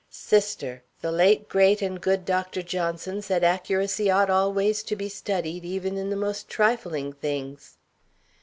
"Sister! the late great and good Doctor Johnson said accuracy ought always to be studied even in the most trifling things."